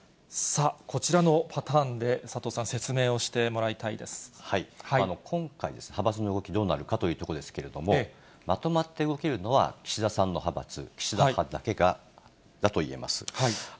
こちらのパターンで佐藤さん、今回、派閥の動きどうなるかというところですけれども、まとまって動けるのは岸田さんの派閥、岸田派だけだといえます。